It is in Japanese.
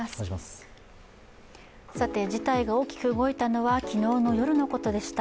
事態が大きく動いたのは昨日の夜のことでした。